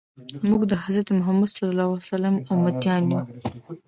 موږ د حضرت محمد صلی الله علیه وسلم امتیان یو.